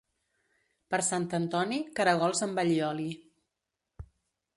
Per Sant Antoni, caragols amb allioli.